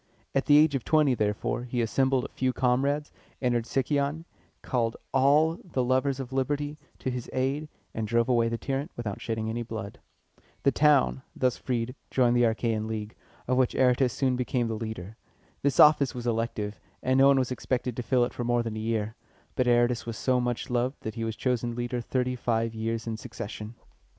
At the age of twenty, therefore, he assembled a few comrades, entered Sicyon, called all the lovers of liberty to his aid, and drove away the tyrant without shedding any blood. The town, thus freed, joined the Achæan League, of which Aratus soon became the leader. This office was elective, and no one was expected to fill it for more than a year; but Aratus was so much loved that he was chosen leader thirty five years in succession.